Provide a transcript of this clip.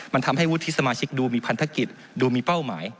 มันทำให้วุฒิสมาชิกดูมีพันธกิจดูมีเป้าหมาย